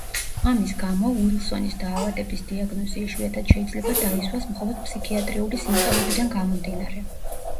ამის გამო, უილსონის დაავადების დიაგნოზი იშვიათად შეიძლება დაისვას მხოლოდ ფსიქიატრიული სიმპტომებიდან გამომდინარე.